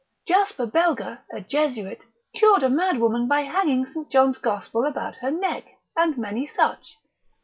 Jasper Belga, a Jesuit, cured a mad woman by hanging St. John's gospel about her neck, and many such.